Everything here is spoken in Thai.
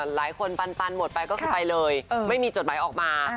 หลายคนปันหมดไปก็คือไปเลยไม่มีจดหมายออกมา